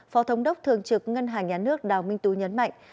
phó thống đốc thường trực ngân hàng nhà nước đào minh tú nhấn mạnh